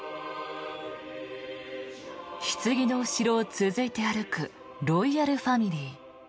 ひつぎの後ろを続いて歩くロイヤルファミリー。